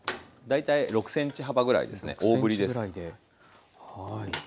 大体６ｃｍ幅ぐらいですね大ぶりです。